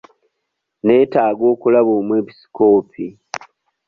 Nneetaaga okulaba omwepisikoopi.